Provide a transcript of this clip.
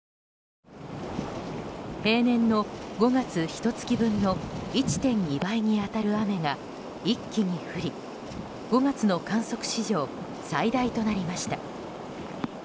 平年の、５月ひと月分の１．２倍に当たる雨が一気に降り、５月の観測史上最大となりました。